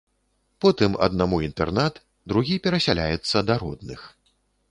Потым аднаму інтэрнат, другі перасяляецца да родных.